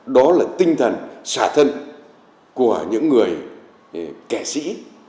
đó là tinh thần xả thân của những người kẻ sĩ